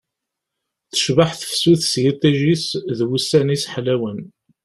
Tecbeḥ tefsut s yiṭij-is d wussan-is ḥlawen